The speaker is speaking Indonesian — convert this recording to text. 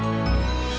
masih gak bisa